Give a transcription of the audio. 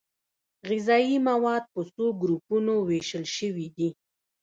غذايي مواد په څو ګروپونو ویشل شوي دي